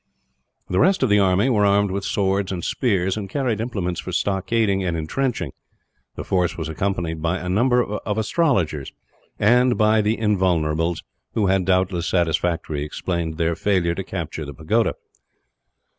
The rest of the army were armed with swords and spears, and carried implements for stockading and entrenching. The force was accompanied by a number of astrologers; and by the Invulnerables who had, doubtless, satisfactorily explained their failure to capture the pagoda.